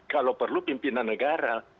kalau perlu pimpinan negara